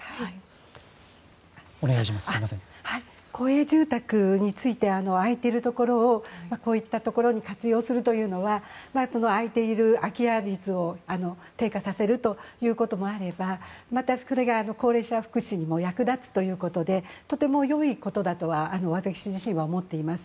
公営住宅について空いているところをこういったところに活用するというのは空いている空き家率を低下させるということもあればまたそれが高齢者福祉にも役立つということでとても良いことだとは私自身は思っております。